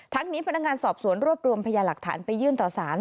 นี้พนักงานสอบสวนรวบรวมพยาหลักฐานไปยื่นต่อสาร